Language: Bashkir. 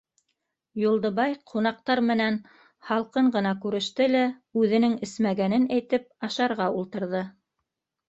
Юлдыбай ҡунаҡтар менән һалҡын ғына күреште лә, үҙенең эсмәгәнен әйтеп, ашарға ултырҙы.